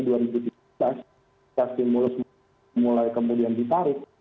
saat simbolus mulai kemudian ditarik